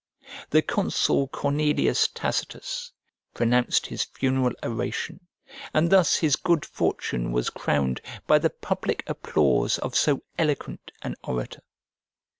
The consul Cornelius Tacitus pronounced his funeral oration and thus his good fortune was crowned by the public applause of so eloquent an orator.